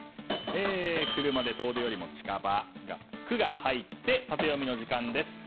車で遠出よりも近場の「ク」が入ってタテヨミの時間です。